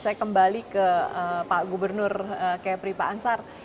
saya kembali ke pak gubernur kepri pak ansar